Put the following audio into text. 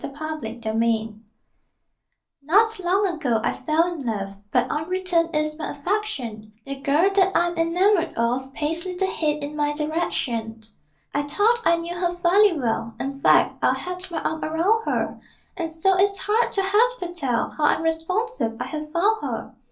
LOVE AT FIRST SIGHT Not long ago I fell in love, But unreturned is my affection The girl that I'm enamored of Pays little heed in my direction. I thought I knew her fairly well: In fact, I'd had my arm around her; And so it's hard to have to tell How unresponsive I have found her.